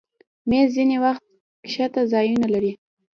مېز ځینې وخت ښکته ځایونه لري.